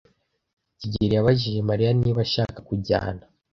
kigeli yabajije Mariya niba ashaka kujyana.